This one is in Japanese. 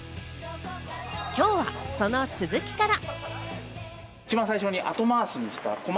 今日はその続きから。